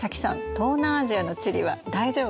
東南アジアの地理は大丈夫？